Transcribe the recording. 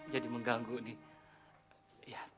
jadi mengganggu nih